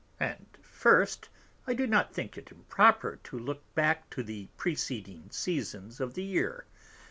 And first, I do not think it improper to look back to the preceding Seasons of the Year.